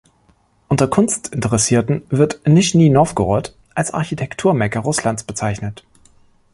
Unter Kunstinteressierten wird Nischni Nowgorod als Architektur-Mekka Russlands bezeichnet.